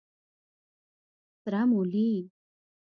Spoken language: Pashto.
🫜 سره مولي